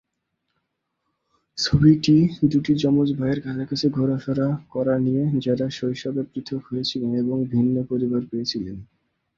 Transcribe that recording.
ছবিটি দুটি যমজ ভাইয়ের কাছাকাছি ঘোরাফেরা করা নিয়ে, যারা শৈশবে পৃথক হয়েছিলেন এবং ভিন্ন পরিবার পেয়েছিলেন।